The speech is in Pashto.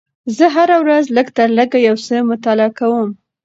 زه هره ورځ لږ تر لږه یو څه مطالعه کوم